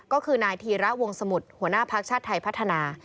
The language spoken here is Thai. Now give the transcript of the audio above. ก็คือนายธีระวงสมุทรหัวหน้าภักดิ์ชาติไทยพัฒนา